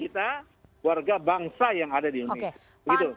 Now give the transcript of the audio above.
keluarga bangsa yang ada di indonesia